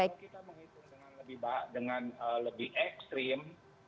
kalau kita menghitung dengan lebih ekstrim